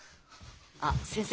あっ先生。